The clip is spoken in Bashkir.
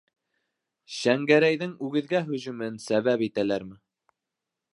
Шәңгәрәйҙең үгеҙгә һөжүмен сәбәп итәләрме?